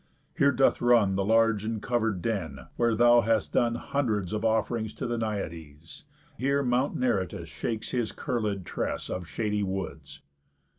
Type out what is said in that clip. Here doth run The large and cover'd den, where thou hast done Hundreds of off'rings to the Naiades, Here Mount Neritus shakes his curléd tress Of shady woods."